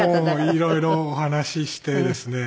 いろいろお話ししてですね。